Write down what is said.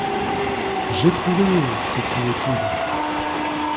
J’ai trouvé! s’écriait-il.